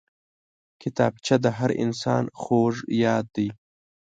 کتابچه د هر انسان خوږ یاد دی